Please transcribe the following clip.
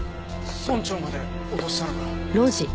村長まで脅したのか？